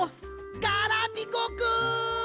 ガラピコくん！